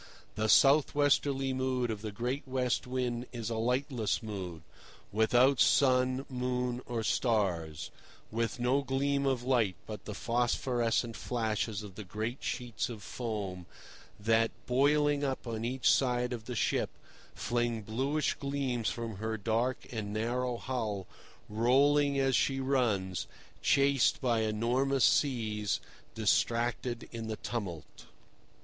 The south westerly mood of the great West Wind is a lightless mood, without sun, moon, or stars, with no gleam of light but the phosphorescent flashes of the great sheets of foam that, boiling up on each side of the ship, fling bluish gleams upon her dark and narrow hull, rolling as she runs, chased by enormous seas, distracted in the tumult.